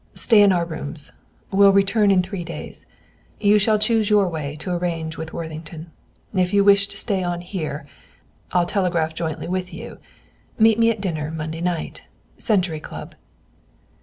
Stay in our rooms. Will return in three days. You shall choose your way to arrange with Worthington. If you wish to stay on here, I'll telegraph jointly with you. Meet me at dinner Monday night, Century Club."